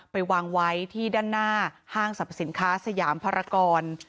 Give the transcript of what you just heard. ไปวางไว้ที่ด้านหน้าห้างสรรพสินค้าสยามภารกร